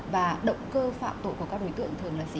và động cơ phạm tội của các đối tượng thường là gì ạ